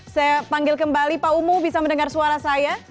saya panggil kembali pak umu bisa mendengar suara saya